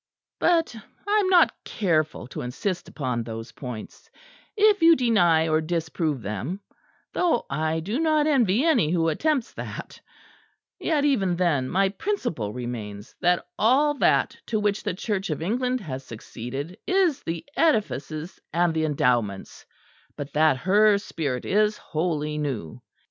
But I am not careful to insist upon those points; if you deny or disprove them, though I do not envy any who attempts that yet even then my principle remains, that all that to which the Church of England has succeeded is the edifices and the endowments; but that her spirit is wholly new.